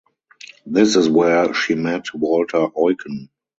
This is where she met Walter Eucken.